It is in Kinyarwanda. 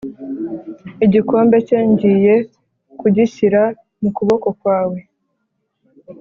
Igikombe cye ngiye kugishyira mu kuboko kwawe